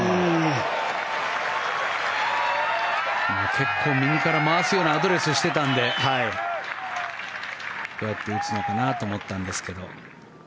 結構右から回すようなアドレスをしていたのでどうやって打つのかなと思ったんですけど。